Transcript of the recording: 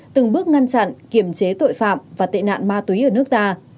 từng bước ngăn chặn kiểm chế tội phạm và tệ nạn ma túy ở nước ta